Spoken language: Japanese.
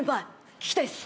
聞きたいっす。